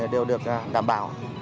đều được đảm bảo